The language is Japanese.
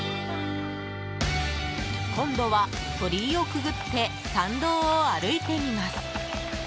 今度は鳥居をくぐって参道を歩いてみます。